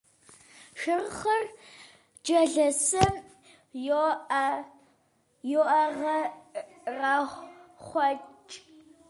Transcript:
Шэрхъыр джэлэсым йокӏэрэхъуэкӏ.